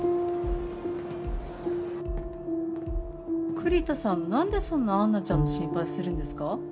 栗田さん何でそんなアンナちゃんの心配するんですか？